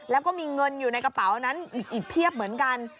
แล้วก็มีเงินอยู่ในกระเป๋านั้นอีกเพียบเหมือนกัน